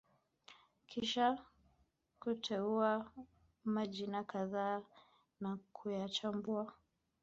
kisha kuteua majina kadhaa na kuyachambua